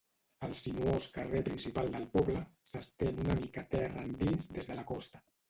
El sinuós carrer principal del poble s'estén una mica terra endins des de la costa.